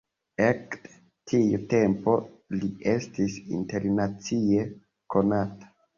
Ekde tiu tempo, li estis internacie konata.